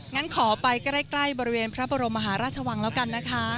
งั้นขอไปใกล้บริเวณพระบรมมหาราชวังแล้วกันนะคะ